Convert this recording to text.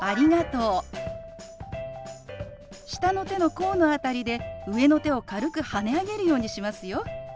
下の手の甲の辺りで上の手を軽くはね上げるようにしますよ。